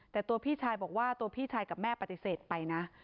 แต่ตัวพี่ชายบอกว่าตัวพี่ชายกับแม่ปฏิเสธไปนะ